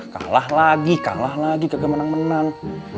kalah lagi kalah lagi kagak menang menang